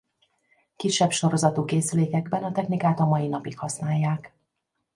Kisebb sorozatú készülékekben a technikát a mai napig használják.